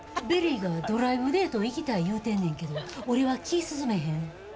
ベリーがドライブデート行きたい言うてんねんけど俺は気ぃ進まへん。